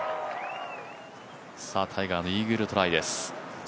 タイガーのイーグルトライです